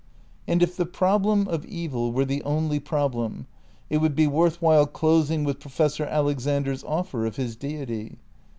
And if the problem of evil were the only problem, it would be worth while closing with Professor Alexan der's offer of his Deity.